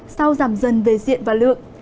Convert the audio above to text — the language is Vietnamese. sau giảm dần về diện và lượng